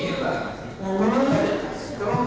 eh hanya andi agustinus kan